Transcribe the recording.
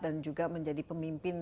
dan juga menjadi pemimpin